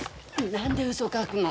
何で嘘書くの？